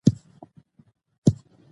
جلګه د افغان ځوانانو د هیلو استازیتوب کوي.